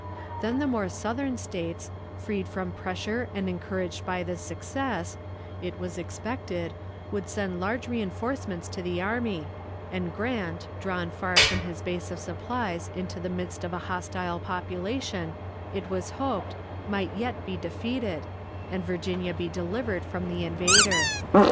Then the more southern States, freed from pressure and encouraged by this success, it was expected, would send large reënforcements to the army, and Grant, drawn far from his base of supplies into the midst of a hostile population, it was hoped, might yet be defeated, and Virginia be delivered from the invader.